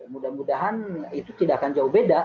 mudah mudahan itu tidak akan jauh beda